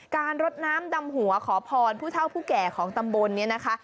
รดน้ำดำหัวขอพรผู้เท่าผู้แก่ของตำบลนี้นะคะ